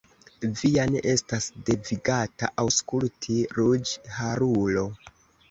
Vi ja ne estas devigata aŭskulti, ruĝharulo.